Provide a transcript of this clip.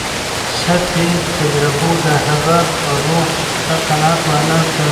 سطحي تجربو د هغه روح ته قناعت ورنکړ.